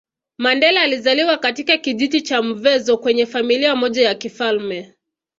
Mandela alizaliwa katika kijiji cha Mvezo kwenye Familia moja ya kifalme